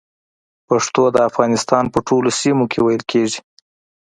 پښتو د افغانستان په ټولو سيمو کې ویل کېږي